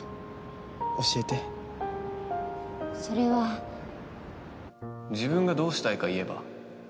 教えてそれは自分がどうしたいか言えば？